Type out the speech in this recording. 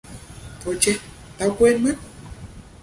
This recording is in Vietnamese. Thôi chết tao quên mất